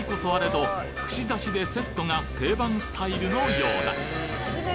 ど串刺しでセットが定番スタイルのようだ